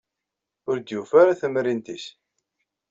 Ur d-yufi ara tamrint-nnes.